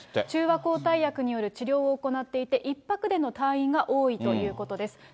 中和抗体薬による治療を行っていて、１泊での退院が多いということです。